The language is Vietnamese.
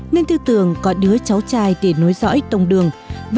một mình cháu là cháu trai lối dõi tông đường